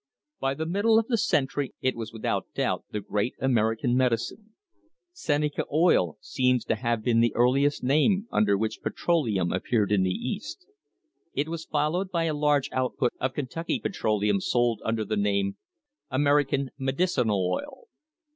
By the middle of the century it was without doubt the great American medicine. "Seneca Oil" seems to have been the earliest name under which petroleum appeared in the East. It was followed by a large output of Kentucky petroleum sold under the name "American Medicinal Oil."